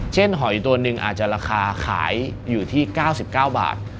หอยตัวหนึ่งอาจจะราคาขายอยู่ที่๙๙บาท